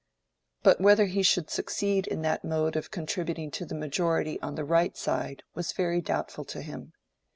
But whether he should succeed in that mode of contributing to the majority on the right side was very doubtful to him.